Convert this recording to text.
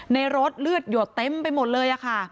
ในรถเลือดหยดเต็มไปหมดเลยค่ะ